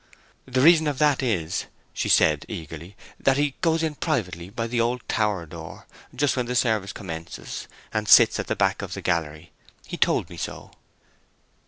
"The reason of that is," she said eagerly, "that he goes in privately by the old tower door, just when the service commences, and sits at the back of the gallery. He told me so."